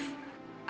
roh sama keameric